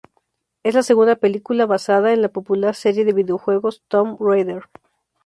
Es la segunda película basada en la popular serie de videojuegos Tomb Raider.